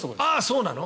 そうなの？